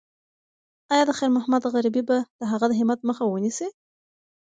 ایا د خیر محمد غریبي به د هغه د همت مخه ونیسي؟